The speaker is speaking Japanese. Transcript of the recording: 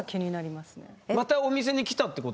またお店に来たってことですか？